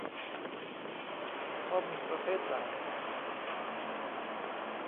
ข้อมูลประเภทไหน